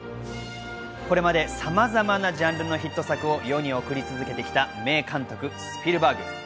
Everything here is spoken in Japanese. これまでさまざまなジャンルのヒット作を世に送り続けてきた名監督・スピルバーグ。